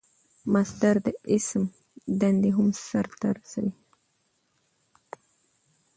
مصدر د اسم دندې هم سر ته رسوي.